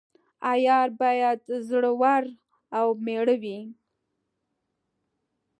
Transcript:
عیار باید زړه ور او میړه وي.